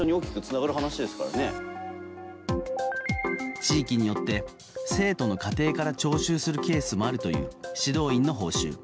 地域によって生徒の家庭から徴収するケースもあるという指導員の報酬。